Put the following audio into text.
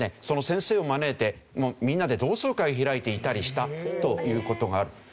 その先生を招いてみんなで同窓会開いていたりしたという事がある。